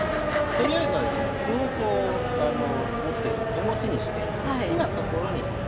とりあえずはですね歩をこう持っている手持ちにして好きな所に行けるということです。